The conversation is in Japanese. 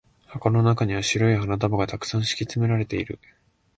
箱の中には白い花束が沢山敷き詰められている。